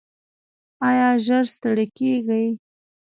ایا ژر ستړي کیږئ؟